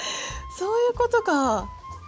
そういうことか。